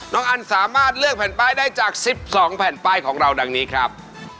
อันสามารถเลือกแผ่นป้ายได้จาก๑๒แผ่นป้ายของเราดังนี้ครับ